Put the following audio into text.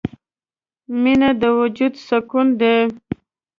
• مینه د وجود سکون دی.